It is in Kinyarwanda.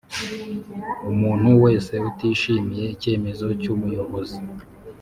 umuntu wese utishimiye icyemezo cy Umuyobozi